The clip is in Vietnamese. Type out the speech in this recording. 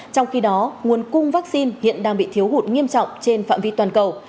trong khi đó nguồn cung vaccine hiện đang bị thiếu hụt nghiêm trọng trên phạm vi toàn cầu